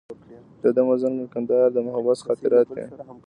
د ده مزنګ او کندهار د محبس خاطرات وې.